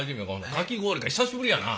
かき氷か久しぶりやな。